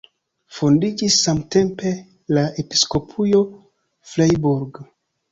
Fondiĝis samtempe la Episkopujo Freiburg.